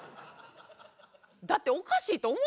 だっておかしいと思わない？